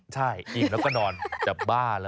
ใช่อิ่มแล้วก็นอนจะบ้าแล้ว